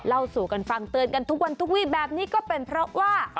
เล่าสู่กันฟังเตือนกันทุกวันทุกวีแบบนี้ก็เป็นเพราะว่า